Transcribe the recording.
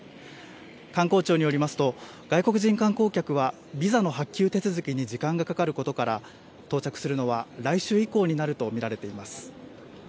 観光庁によりますと外国人観光客はビザの発給手続きに時間がかかることから到着するのは来週以降になると見られています。